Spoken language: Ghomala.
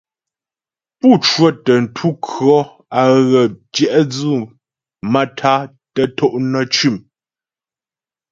Pú cwətə ntu kʉɔ̌ á ghə tyɛ'dwʉ maə́tá'a tə to' nə́ cʉ̂m.